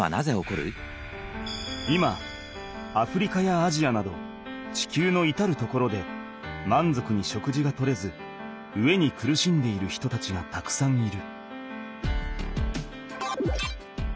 今アフリカやアジアなど地球のいたる所でまんぞくに食事が取れず飢えに苦しんでいる人たちがたくさんいる。